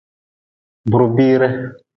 Burbiire.